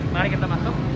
mari kita masuk